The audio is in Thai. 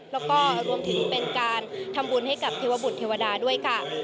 แล้วก็รวมถึงเป็นการทำบุญให้กับเทวบุตรเทวดาด้วยค่ะ